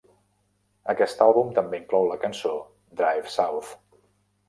Aquest àlbum també inclou la cançó "Drive South".